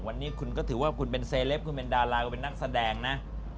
วันนี้คุณก็ถือว่าคุณเป็นเซเลปคุณเป็นดาราก็เป็นนักแสดงนะ